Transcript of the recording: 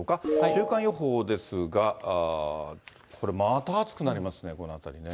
週間予報ですが、これ、また暑くなりますね、このあたりね。